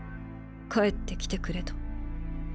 帰ってきてくれと。